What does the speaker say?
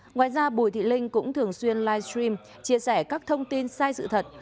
ngoài ra bùi thị linh cũng thường xuyên livestream chia sẻ các thông tin sai sự thật